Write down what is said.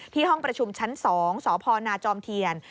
ห้องประชุมชั้น๒สพนาจอมเทียน